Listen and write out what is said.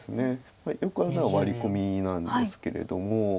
よくあるのはワリコミなんですけれども。